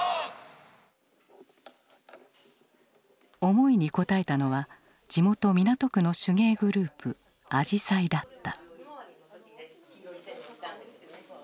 思いに応えたのは地元港区の手芸グループ「あじさい」だった。